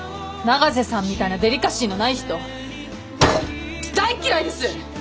永瀬さんみたいなデリカシーのない人大っ嫌いです！